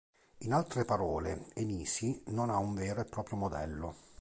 In altre parole, Enishi non ha un vero e proprio modello.